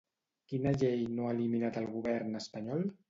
Quina llei no ha eliminat el govern espanyol?